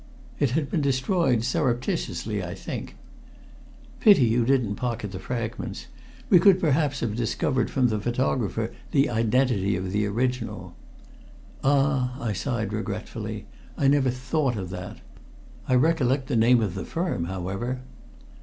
"It had been destroyed surreptitiously, I think." "Pity you didn't pocket the fragments. We could perhaps have discovered from the photographer the identity of the original." "Ah!" I sighed regretfully. "I never thought of that. I recollect the name of the firm, however."